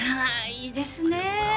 いいですね